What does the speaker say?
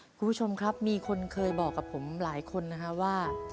คุณผู้ชมครับมีคนเคยบอกกับผมหลายคนนะครับว่า